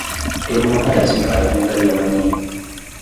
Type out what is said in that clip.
Ele não parece um cara que entraria na linha.